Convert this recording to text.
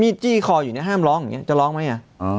จี้คออยู่เนี่ยห้ามร้องอย่างนี้จะร้องไหม